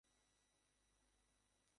তোমার কালো দুনিয়া আমাকে গ্রাস করেছে।